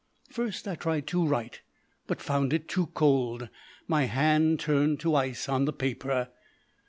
First I tried to write, but found it too cold. My hand turned to ice on the paper.